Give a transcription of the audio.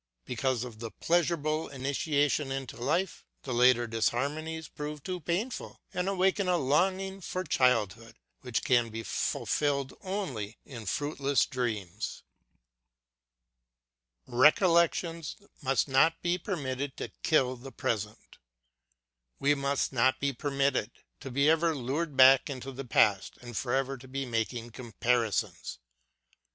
Because of the pleasureable initiation into life the later dis harmonies prove too painful and awaken a longing for childhood which can be fulfilled only in fruitless dreams ! 198 LOOKING BACKWARD Recollections must not be permitted to kill the present. We must not be permitted to be ever lured back into the past and forever to be making comparisons.